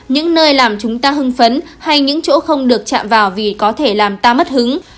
những nơi làm chúng ta hưng phấn hay những chỗ không được chạm vào vì có thể làm ta mất hứng